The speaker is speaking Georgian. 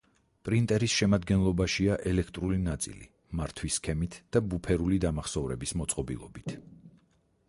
პრინტერის შემადგენლობაშია ელექტრული ნაწილი მართვის სქემით და ბუფერული დამახსოვრების მოწყობილობით.